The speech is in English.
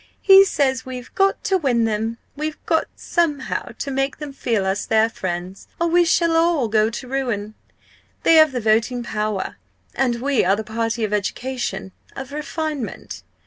He says we've got to win them. We've got somehow to make them feel us their friends or we shall all go to ruin! They have the voting power and we are the party of education, of refinement.